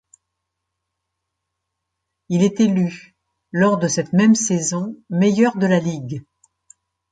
Il est élu lors de cette même saison meilleur de la ligue.